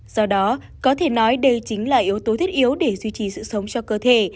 do đó có thể nói đây chính là yếu tố thiết yếu để duy trì sự sống cho cơ thể